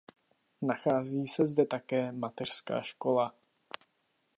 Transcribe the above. Nachází se zde také mateřská škola.